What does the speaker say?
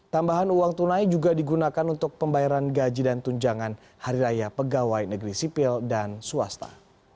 tambahan uang tunai juga digunakan untuk pembayaran gaji dan tunjangan hari raya pegawai negeri sipil dan swasta